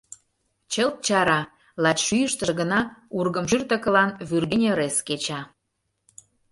Чылт чара, лач шӱйыштыжӧ гына ургымшӱртӧ кылан вӱргене ырес кеча.